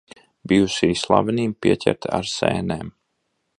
Bijusī slavenība pieķerta ar sēnēm.